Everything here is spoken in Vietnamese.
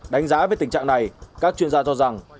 đánh giá về tình trạng này các chuyên gia cho rằng